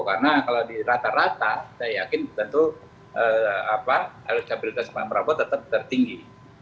karena kalau di rata rata saya yakin tentu elektabilitas pak prabowo tetap tertinggi